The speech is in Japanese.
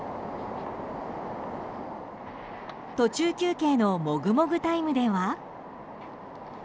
途中休憩のもぐもぐタイムでは。